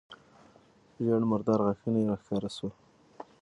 ژېړ مردار غاښونه يې راښکاره سول.